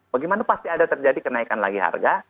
bagaimana pasti ada terjadi kenaikan lagi harga